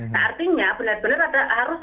nah artinya benar benar harus ada satu terobosan